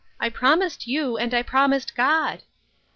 I promised you, and I promised God."